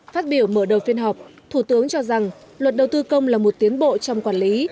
phát biểu mở đầu phiên họp thủ tướng cho rằng luật đầu tư công là một tiến bộ trong quản lý